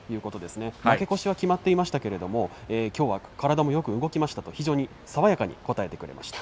負け越しは決まっているけれども体はよく動きましたと爽やかに答えてくれました。